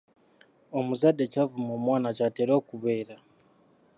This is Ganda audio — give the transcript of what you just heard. Omuzadde ky'avuma omwana ky'atera okubeera.